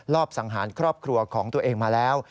สังหารครอบครัวของตัวเองมาแล้ว